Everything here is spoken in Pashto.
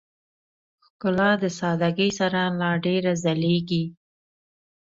ښکلا د سادهګۍ سره لا ډېره ځلېږي.